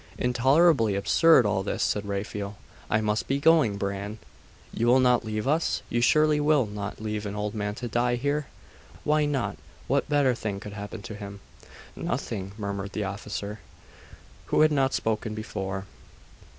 'Intolerably absurd, all this!' said Raphael. 'I must be going, Bran.' 'You will not leave us? You surely will not leave an old man to die here?' 'Why not? What better thing could happen to him?' 'Nothing,' murmured the officer, who had not spoken before.